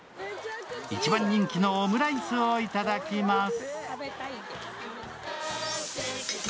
一番人気のオムライスをいただきます。